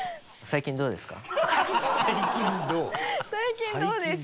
「最近どうですか？」。